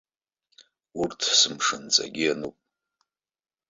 Урҭ сымшынҵагьы иануп.